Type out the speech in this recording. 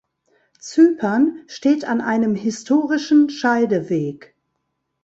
Zypern steht an einem historischen Scheideweg.